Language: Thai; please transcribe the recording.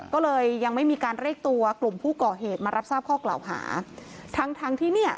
ก็เลยยังไม่มีการเรียกตัวกลุ่มผู้ก่อเหตุมารับทราบข้อกล่าวหาทั้งทั้งที่เนี่ย